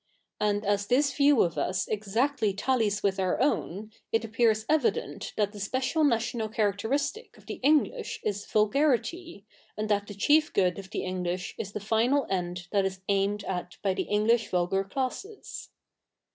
A7id as this view of us exactly tallies with our oivn, it appears evident that the special national characte7 istic of the E7iglish is vulgarity, aiid that the chief good of the E/iglish is the final end that is ai7ned at by the E7iglish vulgar classes.